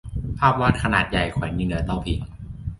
ภาพวาดขนาดใหญ่แขวนอยู่เหนือเตาผิง